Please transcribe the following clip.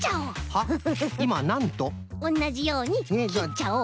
おんなじようにきっちゃおう。